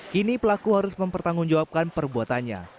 kini pelaku harus mempertanggungjawabkan perbuatannya